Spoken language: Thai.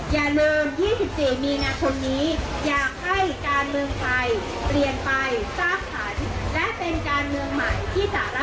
อย่าลืม๒๔มีนคนนี้อยากให้การเมืองไฟเรียนไปสร้างฉัน